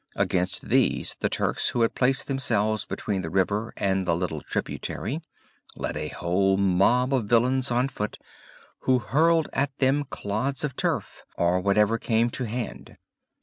Against these the Turks who had placed themselves between the river and the little tributary, led a whole mob of villains on foot, who hurled at them clods of turf or whatever came to hand.